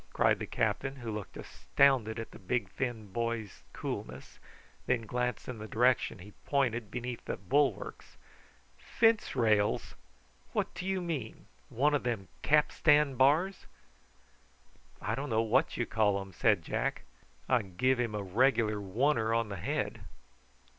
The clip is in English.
cried the captain, who looked astounded at the big thin boy's coolness, and then glanced in the direction he pointed beneath the bulwarks. "Fence rails! What do you mean one of them capstan bars?" "I don't know what you call 'em," said Jack. "I give him a regular wunner on the head."